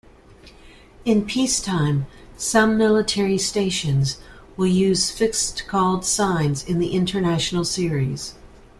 In peacetime, some military stations will use fixed call signs in the international series.